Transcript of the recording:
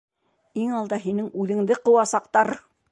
Иң алда һинең үҙеңде ҡыуасаҡтар!